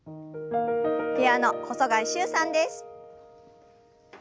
ピアノ細貝柊さんです。